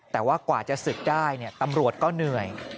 แต่ว่ากว่าจะศึกได้ตำรวจก็เหนื่อย